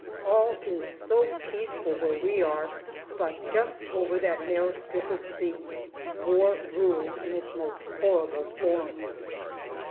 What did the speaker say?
All is so peaceful where we are, but just over that narrow strip of sea, war rules in its most horrible form.